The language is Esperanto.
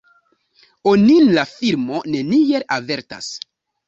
Onin la filmo neniel avertas.